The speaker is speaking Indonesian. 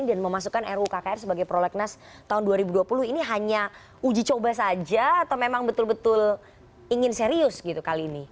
memasukkan ruu kkr sebagai prolegnas tahun dua ribu dua puluh ini hanya uji coba saja atau memang betul betul ingin serius gitu kali ini